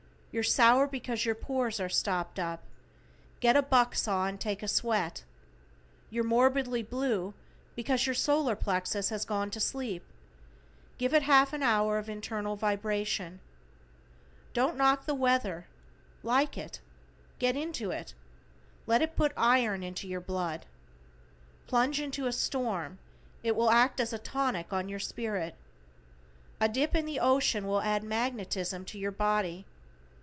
You're sour because your pores are stopped up; get a buck saw and take a sweat. You're morbidly blue because your solar plexus has gone to sleep; give it half an hour of internal vibration. Don't knock the weather, like it, get into it, let it put iron into your blood. Plunge into a storm, it will act as tonic on your spirit. A dip in the ocean will add magnetism to your body.